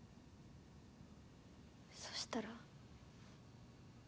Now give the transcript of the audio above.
そしたら。